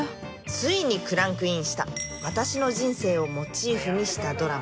ついにクランクインした私の人生をモチーフにしたドラマ。